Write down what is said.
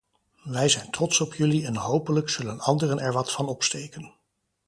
Wij zijn trots op jullie en hopelijk zullen anderen er wat van opsteken.